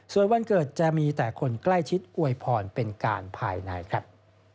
ส่วนวันเกิดจะมีแต่คนใกล้ชิดอวยพรเป็นการภายในครับ